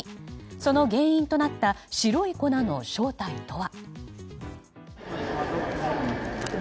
その原因となった白い粉の正体とは。